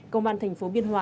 công an thành phố biên hòa